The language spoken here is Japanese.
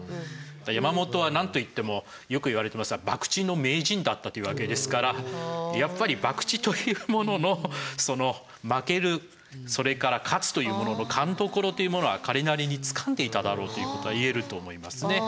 山本は何といってもよく言われてますがバクチの名人だったというわけですからやっぱりバクチというものの「負ける」それから「勝つ」というものの勘どころというものは彼なりにつかんでいただろうということは言えると思いますね。